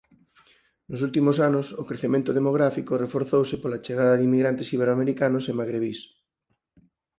Nos últimos anos o crecemento demográfico reforzouse pola chegada de inmigrantes iberoamericanos e magrebís.